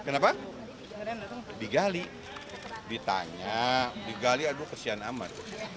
nah digali aduh kesian amat